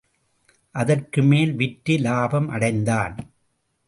அதற்குமேல் விற்று இலாபம் அடைந்தான்.